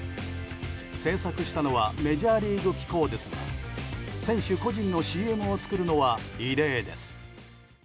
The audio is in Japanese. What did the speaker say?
制作したのはメジャーリーグ機構ですが選手個人のＣＭを作るのは異例です。